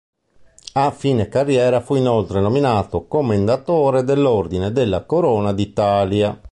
A fine carriera fu inoltre nominato commendatore nell'ordine della Corona d’Italia.